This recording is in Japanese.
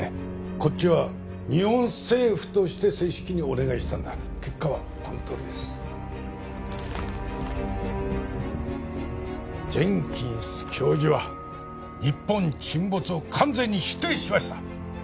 こっちは日本政府として正式にお願いしたんだ結果はこのとおりですジェンキンス教授は日本沈没を完全に否定しました